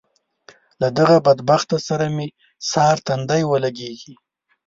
له دغه بدبخته سره مې سهار تندی ولګېږي.